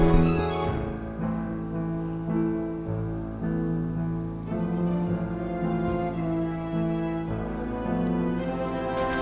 aku bisa ke rumah sakit